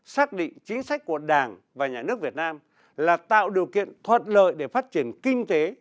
xác định chính sách của đảng và nhà nước việt nam là tạo điều kiện thuận lợi để phát triển kinh tế